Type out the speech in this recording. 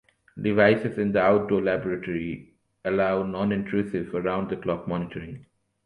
Devices in the outdoor laboratory allow non-intrusive, around-the-clock monitoring.